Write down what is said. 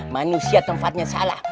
manusia tempatnya salah